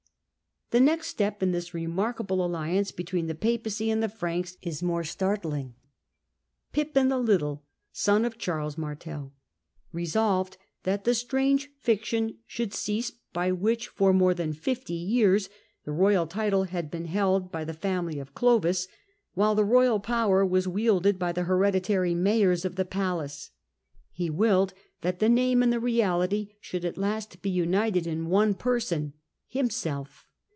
The next step in this remarkable alliance between the Papacy and the Franks is more startling. EiMWi 2. Pippin the Little, son of Charles Martel, resolved that 763 ^ the strange fiction should cease by which for more than fifty years the royal title had been held by the family of Clovis, while the royal power was wielded by the hereditary mayors of the palace. He willed that the name and the reality should at last be united Digitized by VjOOQIC Introductory S in one person — ^himself.